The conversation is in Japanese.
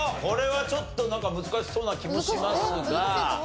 これはちょっとなんか難しそうな気もしますが。